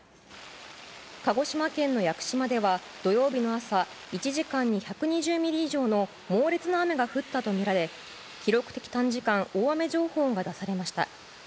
鹿児島県の屋久島では土曜日の朝１時間に１２０ミリ以上の猛烈な雨が降ったとみられ記録的短時間大雨情報が出されました。